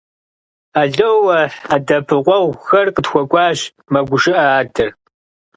– Ало-уэхь, дэӀэпыкъуэгъухэр къытхуэкӀуащ, – мэгушыӀэ адэр.